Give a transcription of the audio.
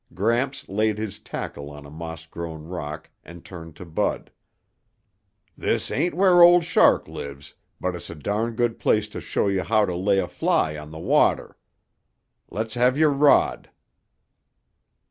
Gramps laid his tackle on a moss grown rock and turned to Bud. "This ain't where Old Shark lives, but it's a darn' good place to show you how to lay a fly on the water. Let's have your rod."